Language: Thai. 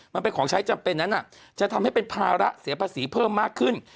มันเป็นของใช้จำเป็นนั้นจะทำให้เป็นภาระเสียภาษีเพิ่มมากขึ้น